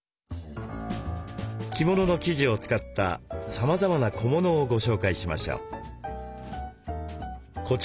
着物の生地を使ったさまざまな小物をご紹介しましょう。